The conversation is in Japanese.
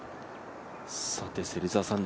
さて、芹澤さん